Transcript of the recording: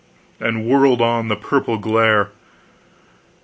and whirled on the purple glare!